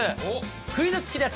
クイズつきです。